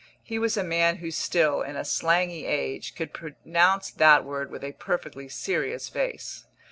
He was a man who still, in a slangy age, could pronounce that word with a perfectly serious face.